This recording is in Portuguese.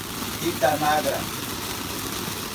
Itanagra